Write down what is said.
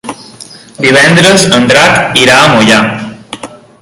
Divendres en Drac irà a Moià.